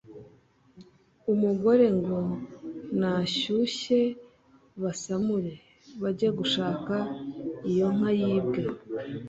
umugore ngo nashyushye basamure, bajye gushaka iyo nka yibwe